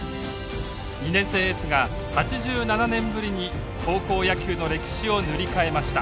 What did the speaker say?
２年生エースが８７年ぶりに高校野球の歴史を塗り替えました。